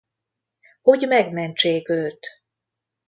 Hogy megmentsék őt.